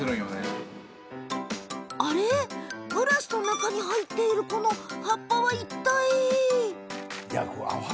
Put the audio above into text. グラスの中に入っているこの葉っぱはいったい？